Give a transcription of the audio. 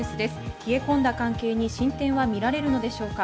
冷え込んだ関係に進展は見られるんでしょうか。